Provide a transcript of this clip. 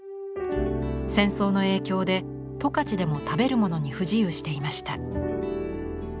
戦争の影響で十勝でも食べる物に不自由していました。